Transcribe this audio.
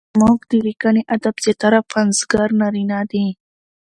زموږ د ليکني ادب زياتره پنځګر نارينه دي؛